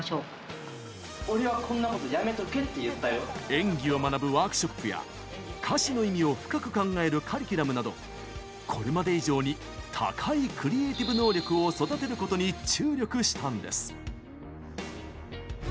演技を学ぶワークショップや歌詞の意味を深く考えるカリキュラムなどこれまで以上に高いクリエーティブ能力を育てることに注力したんです。